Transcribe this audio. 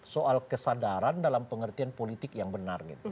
soal kesadaran dalam pengertian politik yang benar gitu